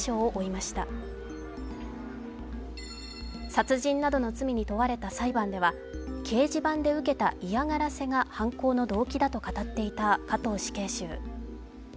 殺人などの罪に問われた裁判では掲示板で受けた嫌がらせが犯行の動機だと語っていた加藤死刑囚。